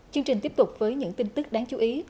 chương trình tiếp tục với những tin tức đáng chú ý